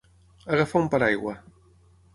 Agafar un paraigua.